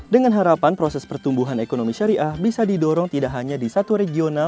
dengan harapan proses pertumbuhan ekonomi syariah bisa didorong tidak hanya di satu regional